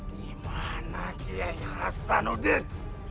dimana kiyai hasanuddin